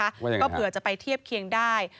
ว่าอย่างไรคะก็เผื่อจะไปเทียบเครียงได้